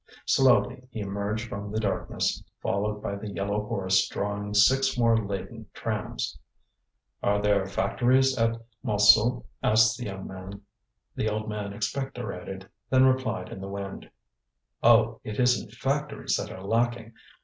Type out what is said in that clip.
Slowly he emerged from the darkness, followed by the yellow horse drawing six more laden trams. "Are there factories at Montsou?" asked the young man. The old man expectorated, then replied in the wind: "Oh, it isn't factories that are lacking.